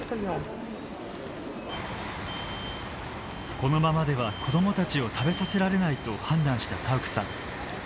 このままでは子どもたちを食べさせられないと判断したタウクさん。